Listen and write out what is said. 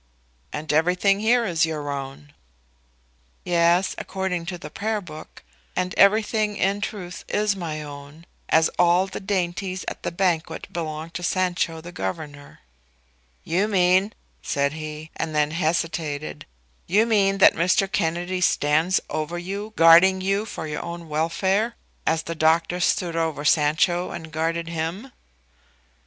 "And everything here is your own." "Yes, according to the prayer book. And everything in truth is my own, as all the dainties at the banquet belonged to Sancho the Governor." "You mean," said he, and then he hesitated; "you mean that Mr. Kennedy stands over you, guarding you for your own welfare, as the doctor stood over Sancho and guarded him?"